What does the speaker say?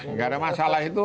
enggak ada masalah itu